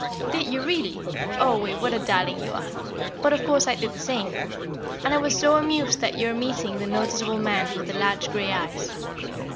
"Did you, really? Oh, Wave, what a darling you are! But, of course, I did the same. And I was so amused at your meeting 'the noticeable man, with the large grey eyes.'